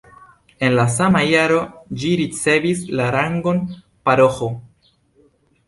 En la sama jaro ĝi ricevis la rangon paroĥo.